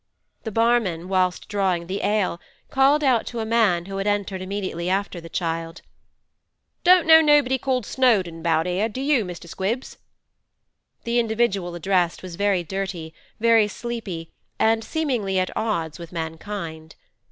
The barman, whilst drawing the ale, called out to a man who had entered immediately after the child: 'Don't know nobody called Snowdon about 'ere, do you, Mr. Squibbs?' The individual addressed was very dirty, very sleepy, and seemingly at odds with mankind.